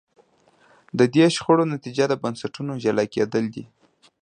د دې شخړو نتیجه د بنسټونو جلا کېدل دي.